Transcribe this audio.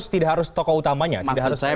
tidak harus tokoh utamanya tidak harus